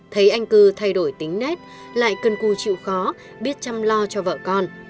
thấy anh cứ thay đổi tính nét lại cân cư chịu khó biết chăm lo cho vợ con